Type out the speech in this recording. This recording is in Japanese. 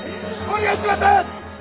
お願いします！